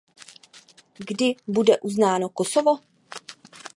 Kdy bude uznáno Kosovo?